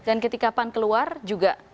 jadi kapan keluar juga